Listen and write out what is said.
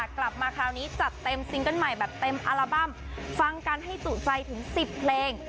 กลับมาคราวนี้จัดเต็มซิงเกิ้ลใหม่แบบเต็มอัลบั้มฟังกันให้จุใจถึง๑๐เพลง